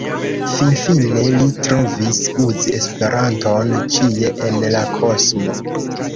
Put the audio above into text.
Finfine li trovis: uzi Esperanton ĉie en la kosmo.